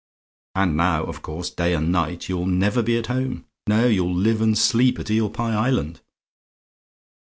"And now, of course, day and night, you'll never be at home. No, you'll live and sleep at Eel Pie Island!